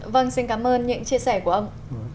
vâng xin cảm ơn những chia sẻ của ông